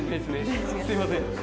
すみません。